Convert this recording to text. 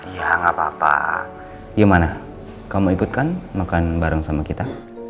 ya gak apa apa gimana kamu ikut kan makan bareng sama kita